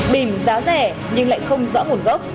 bình giá rẻ nhưng lại không rõ nguồn gốc